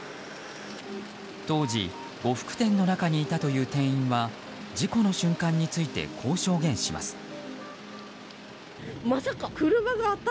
当時、呉服店の中にいたという店員は事故の瞬間についてこう証言します。